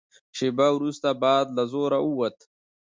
شېبه وروسته باد له زوره ووت.